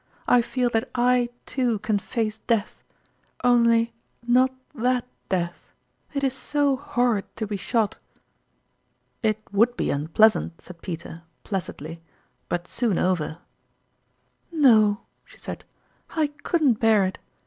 I feel that I, too, can face death ; only not that death it is so horrid to be shot !"" It would be unpleasant," said Peter, placid ly, " but soon over." " No," she said, " I couldn't bear it.